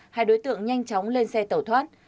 hai đối tượng nhanh chóng lên xe tẩu thoát